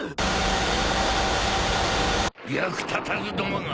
役立たずどもが。